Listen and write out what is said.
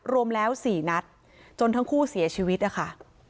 รวมแล้ว๔นัดจนทั้งคู่เสียชีวิตนะคะ